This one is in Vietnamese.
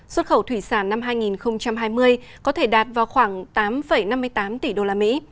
xuất khẩu thủy sản năm hai nghìn hai mươi có thể đạt vào khoảng tám năm mươi tám tỷ đô la mỹ